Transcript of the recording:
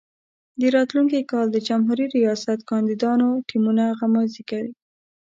د راتلونکي کال د جمهوري ریاست کاندیدانو ټیمونه غمازي کوي.